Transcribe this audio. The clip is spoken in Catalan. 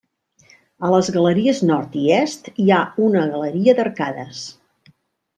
A les galeries nord i est hi ha una galeria d'arcades.